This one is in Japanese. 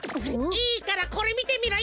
いいからこれみてみろよ！